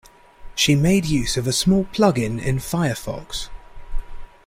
She made use of a small plug-in in Firefox